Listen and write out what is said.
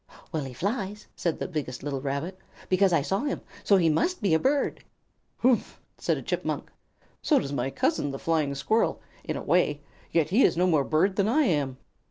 "Well, he flies," said the biggest little Rabbit, "because I saw him, so he must be a bird." "Humph!" said a Chipmunk. "So does my cousin, the Flying Squirrel, in a way, yet he is no more bird than I am."